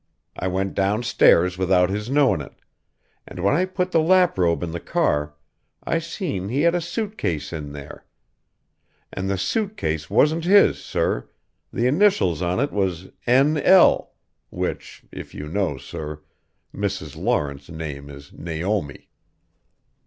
I went downstairs without his knowing it and when I put the laprobe in the car I seen he had a suit case in there. An' the suit case wasn't his, sir the initials on it was N.L. which, if you know, sir Mrs. Lawrence's name is Naomi.